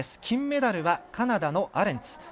金メダルはカナダのアレンツ。